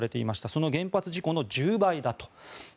その原発事故の１０倍だと。